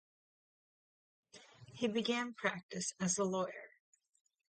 He began practice as a lawyer.